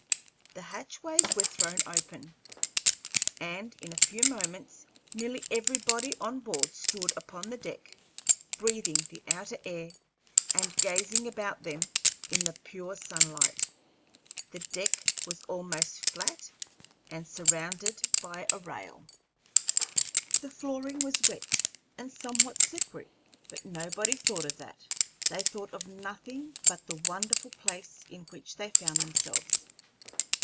The hatchways were thrown open, and in a few moments nearly everybody on board stood upon the upper deck, breathing the outer air and gazing about them in the pure sunlight. The deck was almost flat, and surrounded by a rail. The flooring was wet, and somewhat slippery, but nobody thought of that; they thought of nothing but the wonderful place in which they found themselves.